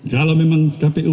kalau memang kpu